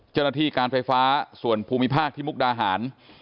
เจ้าหน้าที่การไฟฟ้าส่วนภูมิภาคที่มุกดาหาร